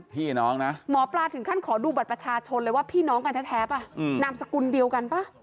พี่น้องนะหมอปลาถึงขั้นขอดูบัตรประชาชนเลยว่าพี่น้องกันแท้ป่ะนามสกุลเดียวกันป่ะ